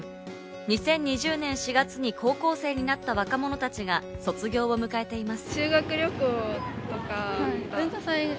２０２０年４月に高校生になった若者たちが卒業を迎えています。